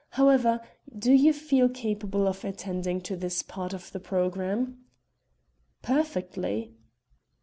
However, do you feel capable of attending to this part of the programme?" "Perfectly."